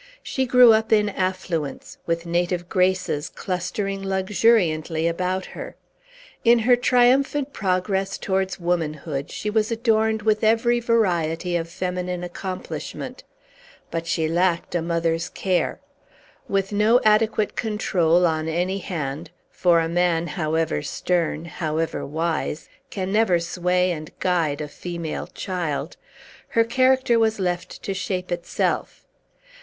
She grew up in affluence, with native graces clustering luxuriantly about her. In her triumphant progress towards womanhood, she was adorned with every variety of feminine accomplishment. But she lacked a mother's care. With no adequate control, on any hand (for a man, however stern, however wise, can never sway and guide a female child), her character was left to shape itself.